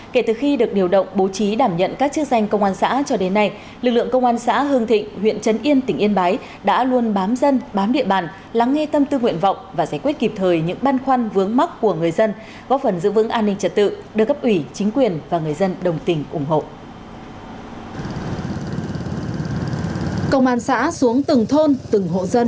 kể từ khi được điều động bố trí đảm nhận các chức danh công an xã cho đến nay lực lượng công an xã hương thịnh huyện trấn yên tỉnh yên bái đã luôn bám dân bám địa bàn lắng nghe tâm tư nguyện vọng và giải quyết kịp thời những băn khoăn vướng mắc của người dân góp phần giữ vững an ninh trật tự đưa cấp ủy chính quyền và người dân đồng tình ủng hộ